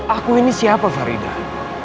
aku ini siapa faridah